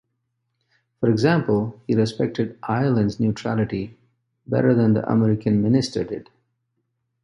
For example, he respected Ireland's neutrality better than the American minister did.